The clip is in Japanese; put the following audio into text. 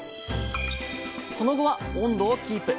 その後は温度をキープ。